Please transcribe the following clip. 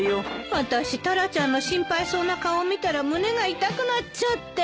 あたしタラちゃんの心配そうな顔を見たら胸が痛くなっちゃって。